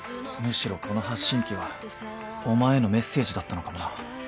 むしろこの発信機はお前へのメッセージだったのかもな。